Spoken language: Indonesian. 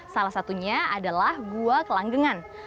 salah satunya adalah gua kelanggengan